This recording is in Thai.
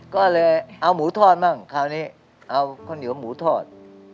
ก็เลยเอาหมูทอดบ้างคราวนี้เอาข้าวเหนียวหมูทอด